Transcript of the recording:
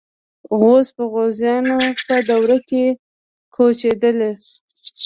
غوز په غزنویانو په دوره کې کوچېدلي.